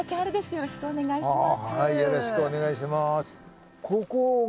よろしくお願いします。